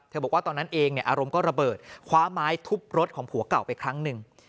บอกว่าตอนนั้นเองเนี่ยอารมณ์ก็ระเบิดคว้าไม้ทุบรถของผัวเก่าไปครั้งหนึ่ง